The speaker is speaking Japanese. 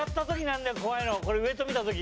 これ上と見た時。